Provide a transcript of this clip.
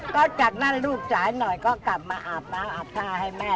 ก็จากนั้นลูกสายหน่อยก็กลับมาอาบน้ำอาบท่าให้แม่